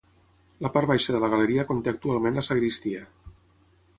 La part baixa de la galeria conté actualment la sagristia.